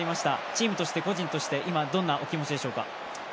チームとして、個人として今、どんなお気持ちでしょうか。